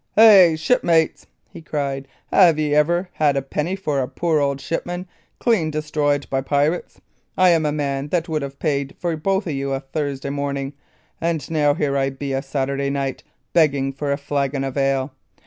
"Hey, shipmates!" he cried. "Have ye ever a penny pie for a poor old shipman, clean destroyed by pirates? I am a man that would have paid for you both o' Thursday morning; and now here I be, o' Saturday night, begging for a flagon of ale!